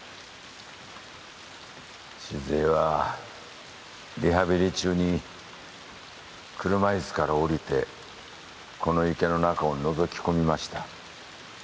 静江はリハビリ中に車いすから降りてこの池の中をのぞき込みました